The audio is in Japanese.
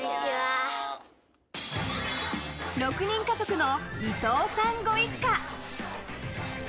６人家族の伊藤さんご一家。